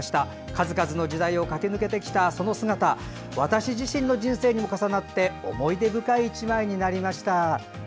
数々の時代を駆け抜けてきた老兵の姿は自分自身の人生とも重なって思い出深い一枚になりました。